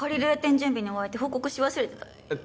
準備に追われて報告し忘れてたえっ